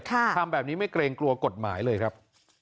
ทำแบบนี้ไม่เกรงกลัวกฎหมายเลยครับ